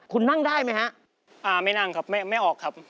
คุณนั่งได้ไหมฮะอ่าไม่นั่งครับไม่ไม่ออกครับ